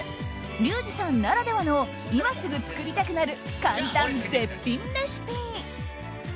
リュウジさんならではの今すぐ作りたくなる簡単絶品レシピ。